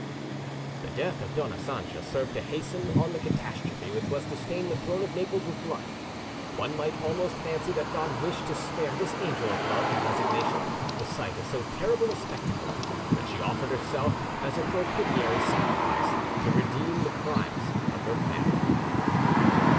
The death of Dona Sancha served to hasten on the catastrophe which was to stain the throne of Naples with blood: one might almost fancy that God wished to spare this angel of love and resignation the sight of so terrible a spectacle, that she offered herself as a propitiatory sacrifice to redeem the crimes of her family.